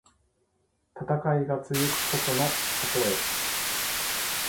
戦いが続くことのたとえ。